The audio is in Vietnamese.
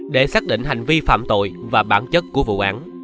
để xác định hành vi phạm tội và bản chất của vụ án